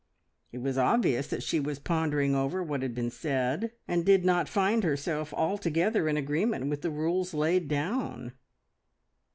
It was obvious that she was pondering over what had been said, and did not find herself altogether in agreement with the rules laid down.